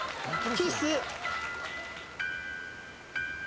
キス。